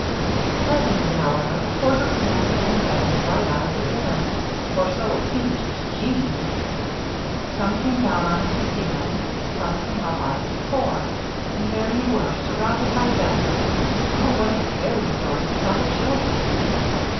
Presently, however, the porter began pulling beds right out of the air, or so it seemed to Jeanne. Some came down out of the ceiling, some came up out of the floor and there you were, surrounded by beds! Oh, what a fairy story to tell the children!